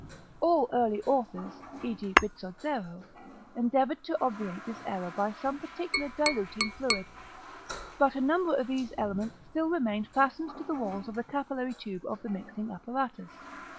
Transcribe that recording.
All early authors (e.g. Bizzozero) endeavoured to obviate this error by some particular diluting fluid; but a number of these elements still remained fastened to the walls of the capillary tube of the mixing apparatus.